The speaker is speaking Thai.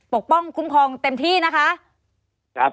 ปกป้องเต็มทีนะคะ